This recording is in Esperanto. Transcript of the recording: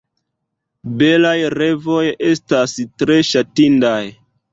Belaj revoj estas tre ŝatindaj.